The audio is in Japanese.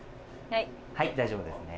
はい大丈夫ですね。